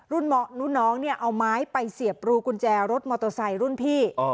รุ่นน้องเนี่ยเอาไม้ไปเสียบรูกุญแจรถมอเตอร์ไซค์รุ่นพี่